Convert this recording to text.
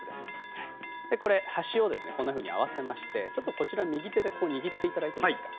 これ端をですねこんなふうに合わせましてちょっとこちら右手で握っていただいてもいいですか？